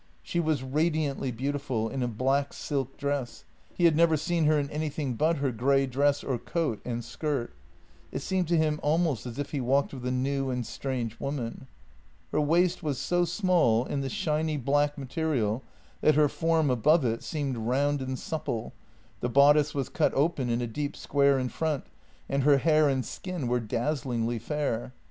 She was radiantly beautiful in a black silk dress; he had never seen her in anything but her grey dress or coat and skirt. It seemed to him almost as if he walked with a new and strange woman. Her waist was so small in the shiny black material that her form above it seemed round and supple; the bodice was cut open in a deep square in front, and her hair and skin were dazzlingly fair.